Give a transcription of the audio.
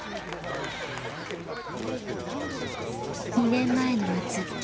２年前の夏